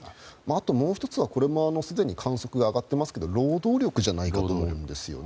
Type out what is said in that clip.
あと、もう１つはすでに観測が上がっていますけど労働力じゃないかと思うんです。